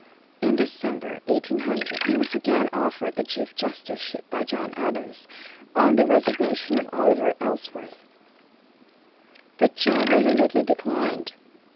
In December, 1800, he was again offered the chief justiceship by John Adams, on the resignation of Oliver Ellsworth, but Jay resolutely declined.